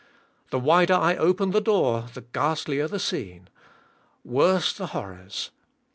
The wider I open the door, the ghastlier the scene. Worse the horrors.